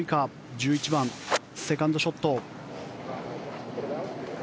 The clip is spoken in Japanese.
１１番、セカンドショット。